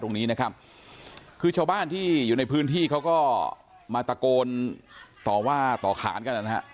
ตรงนี้นะครับคือชาวบ้านที่อยู่ในพื้นที่เขาก็มาตะโกนต่อว่าต่อขานกันนะฮะ